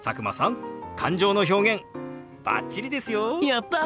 やった！